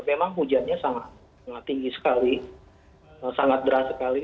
memang hujannya sangat tinggi sekali sangat deras sekali